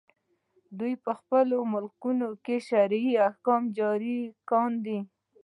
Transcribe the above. دوی په خپلو ملکونو کې شرعي احکام جاري کاندي.